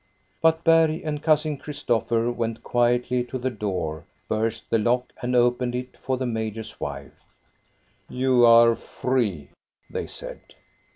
But Berg and Cousin Christopher went quietly to the door, burst the lock, and opened it for the major's wife. " You are free," they said.